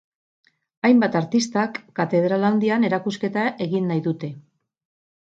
Hainbat artistak katedral handian erakusketa egin nahi dute.